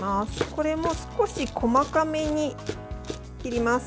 これも少し細かめに切ります。